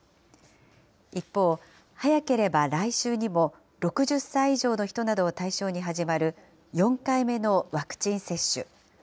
一方、早ければ来週にも、６０歳以上の人などを対象に始まる、４回目のワクチン接種。